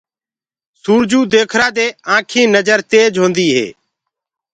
سورجو ديکرآ دي آنٚکينٚ نجر تيج هونٚدي هي